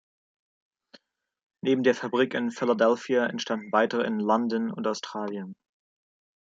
Neben der Fabrik in Philadelphia entstanden weitere in London und Australien.